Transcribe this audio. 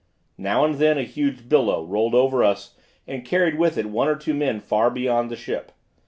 Now and then a huge billow rolled over us, and carried with it one or two men far beyond the ship.